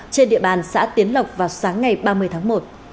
trên địa bàn xã tiến lộc vào sáng ngày ba mươi tháng một